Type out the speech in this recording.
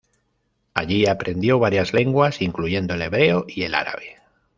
Allí aprendió varias lenguas, incluyendo el hebreo y el árabe.